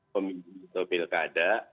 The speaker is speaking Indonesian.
pemimpin atau pilkada